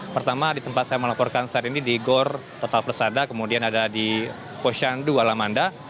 pertama di tempat saya melaporkan saat ini di gor total plazada kemudian ada di posyandu alamanda